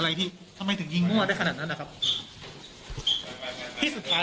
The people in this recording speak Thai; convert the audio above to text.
แล้วก็ได้คุยกับนายวิรพันธ์สามีของผู้ตายที่ว่าโดนกระสุนเฉียวริมฝีปากไปนะคะ